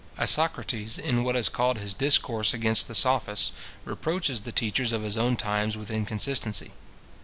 Isocrates, in what is called his discourse against the sophists, reproaches the teachers of his own times with inconsistency.